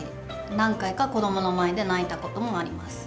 何回か子どもの前で泣いたこともあります。